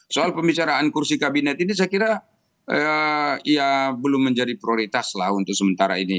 soal pembicaraan kursi kabinet ini saya kira ya belum menjadi prioritas lah untuk sementara ini